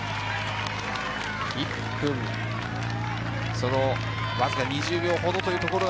１分２０秒ほどというところが